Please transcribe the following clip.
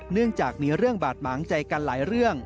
เนื่องจากมีเรื่องบาดหมางใจกันหลายเรื่อง